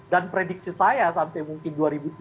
dan prediksi saya sampai mungkin dua ribu dua puluh tiga